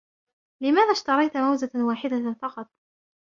لماذا اشتريت موزة واحدة فقط ؟